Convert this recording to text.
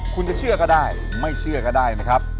คุณจะเชื่อก็ได้ไม่เชื่อก็ได้นะครับ